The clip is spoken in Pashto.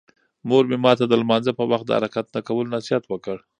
مور مې ماته د لمانځه په وخت د حرکت نه کولو نصیحت وکړ.